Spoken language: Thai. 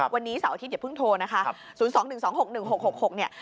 วันนี้เสาร์อาทิตย์อย่าเพิ่งโทรนะคะ